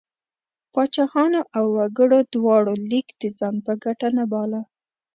پاچاهانو او وګړو دواړو لیک د ځان په ګټه نه باله.